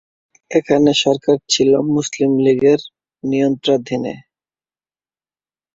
এখানে সরকার ছিল মুসলিম লীগের নিয়ন্ত্রণাধীনে।